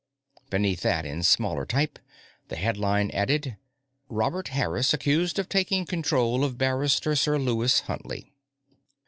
_ Beneath that, in smaller type, the headline added: Robert Harris Accused of Taking Control of Barrister Sir Lewis Huntley.